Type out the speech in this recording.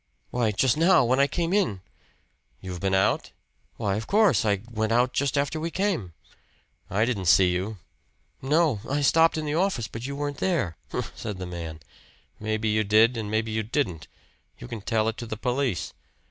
"Why, just now. When I came in." "You've been out?" "Why of course. I went out just after we came." "I didn't see you." "No. I stopped in the office, but you weren't there." "Humph!" said the man, "maybe you did and maybe you didn't. You can tell it to the police."